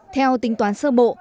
theo tính toán sơ bộ